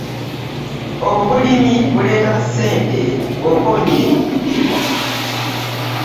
Obulimi buleeta ssente bwoba onyikidde.